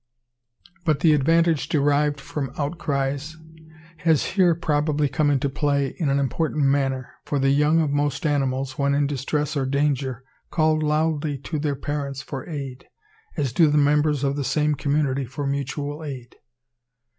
But the advantage derived from outcries has here probably come into play in an important manner; for the young of most animals, when in distress or danger, call loudly to their parents for aid, as do the members of the same community for mutual aid.